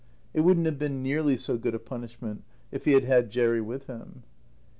It wouldn't have been nearly so good a punishment if he had had Jerry with him.